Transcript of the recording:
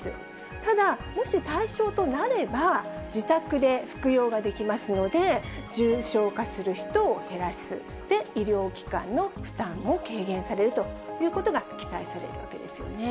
ただ、もし対象となれば、自宅で服用ができますので、重症化する人を減らす、で、医療機関の負担も軽減されるということが期待されるわけですよね。